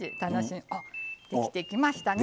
できてきましたね。